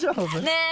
ねえ